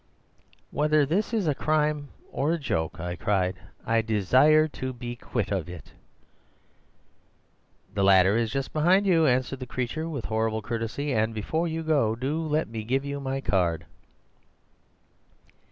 "'Whether this is a crime or a joke,' I cried, 'I desire to be quit of it.' "'The ladder is just behind you,' answered the creature with horrible courtesy; 'and, before you go, do let me give you my card.